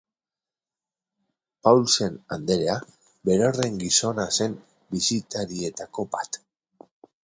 Paulsen anderea, berorren gizona zen bisitarietako bat.